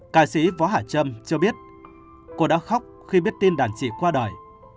ca sĩ võ hạ trâm cho biết cô đã khóc khi biết tin đàn chị qua đời